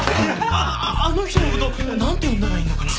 ああああの人のこと何て呼んだらいいのかな？